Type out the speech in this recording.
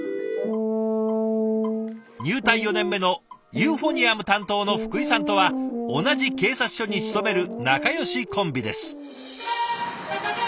入隊４年目のユーフォニアム担当の福井さんとは同じ警察署に勤める仲よしコンビです。